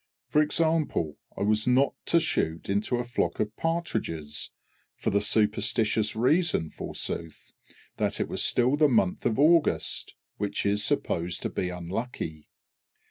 For example, I was not to shoot into a flock of partridges, for the superstitious reason, forsooth! that it was still the month of August, which is supposed to be unlucky!